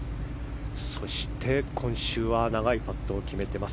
そして、今週は長いパットを決めています。